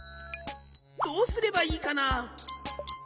どうすればいいかな？